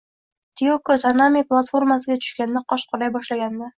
Tiyoko Tanami platformasiga tushganda qosh qoraya boshlagandi